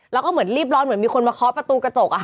แล้วก็เหมือนรีบร้อนเหมือนมีคนมาเคาะประตูกระจก